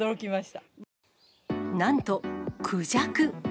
なんとクジャク。